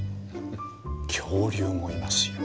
恐竜もいますよ。